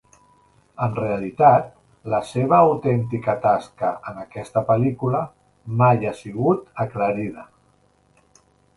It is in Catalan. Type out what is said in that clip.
En realitat, la seva autèntica tasca en aquesta pel·lícula mai ha sigut aclarida.